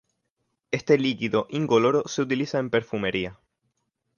Este líquido incoloro se utiliza en perfumería.